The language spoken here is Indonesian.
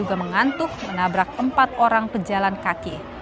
juga mengantuk menabrak empat orang pejalan kaki